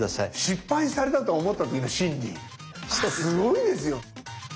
失敗されたと思ったときの心理すごいですよ！